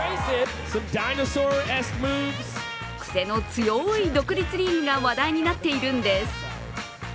癖の強い独立リーグが話題になっているんです。